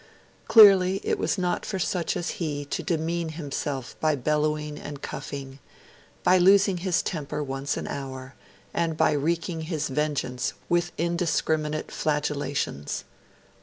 Clearly, it was not for such as he to demean himself by bellowing and cuffing, by losing his temper once an hour, and by wreaking his vengeance with indiscriminate flagellations.